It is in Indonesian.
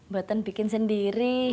buatan bikin sendiri